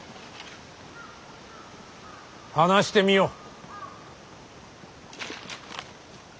話してみよ。